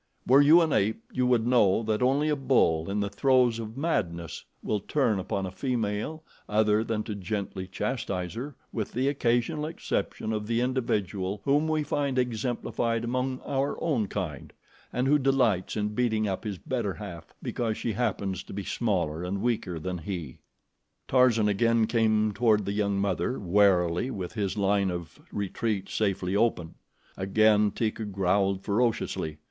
Were you an ape, you would know that only a bull in the throes of madness will turn upon a female other than to gently chastise her, with the occasional exception of the individual whom we find exemplified among our own kind, and who delights in beating up his better half because she happens to be smaller and weaker than he. Tarzan again came toward the young mother warily and with his line of retreat safely open. Again Teeka growled ferociously.